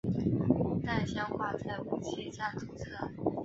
弹箱挂在武器站左侧。